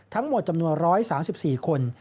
ทั้งหมดจำนวน๑๓๔คน